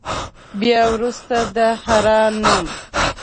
بیا وروسته د حرا نوم.